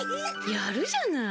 やるじゃない。